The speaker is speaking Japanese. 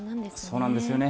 そうなんですよね。